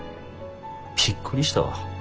びっくりしたわ。